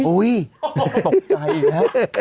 อุ้ยตกใจอีกฮะ